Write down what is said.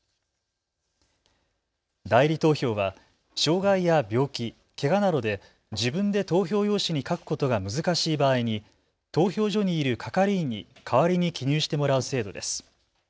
代理投票は障害や病気、けがなどで自分で投票用紙に書くことが難しい場合に投票所にいる係員に代わりに記入してもらう制度です。